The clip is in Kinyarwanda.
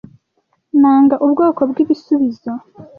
Nanga ubwoko bwibisubizo.